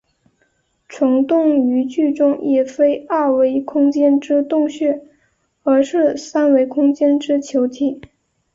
虫洞于剧中也非二维空间之洞穴而是三维空间之球体。